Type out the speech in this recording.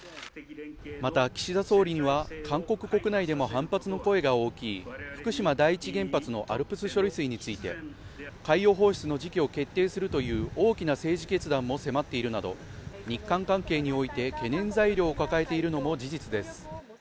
また岸田総理は韓国国内でも反発の声が大きい福島第一原発のＡＬＰＳ処理について海洋放出の時期を決定するという大きな政治決断も迫っているなど日韓関係において懸念材料を抱えているのも事実です